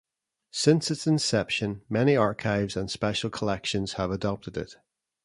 Since its inception, many archives and special collections have adopted it.